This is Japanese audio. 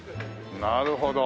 なるほど。